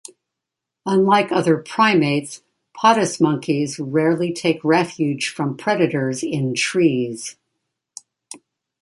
Unlike other primates, patas monkeys rarely take refuge from predators in trees.